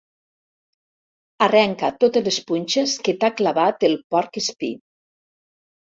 Arrenca totes les punxes que t'ha clavat el porc espí.